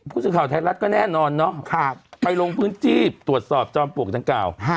ภูสิเท่าไทยรัฐก็แน่นอนเนอะไปลงพื้นที่ตรวจสอบจอมปวกจังกราว